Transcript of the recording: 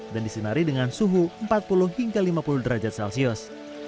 disinari dengan suhu empat puluh hingga lima puluh derajat celcius